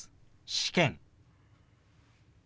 「試験」。